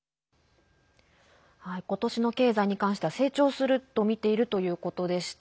今年の経済に関しては成長すると見ているということでした。